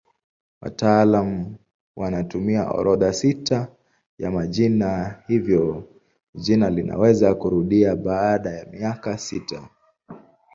Wataalamu wanatumia orodha sita ya majina hivyo jina linaweza kurudia baada ya miaka sita.